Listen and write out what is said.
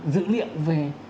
dữ liệu về